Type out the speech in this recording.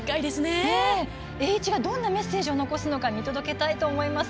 栄一がどんなメッセージを残すのか見届けたいと思います。